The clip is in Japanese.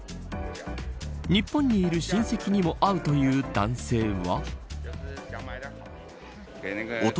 日本にいる親戚にも会うという男性は。